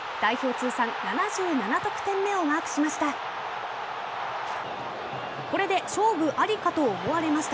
通算７７得点目をマークしました。